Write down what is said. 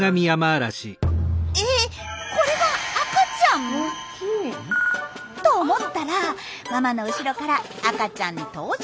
えっこれがと思ったらママの後ろから赤ちゃん登場！